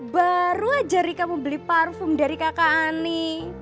baru aja rika mau beli parfum dari kakak ani